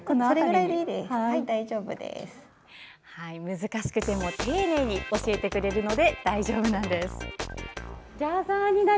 難しくても丁寧に教えてくれるので大丈夫なんです。